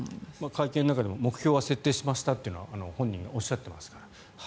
会見の中でも目標は設定しましたというのは本人がおっしゃっていますから。